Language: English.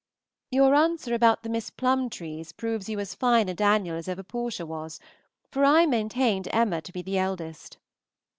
Your answer about the Miss Plumbtrees proves you as fine a Daniel as ever Portia was; for I maintained Emma to be the eldest.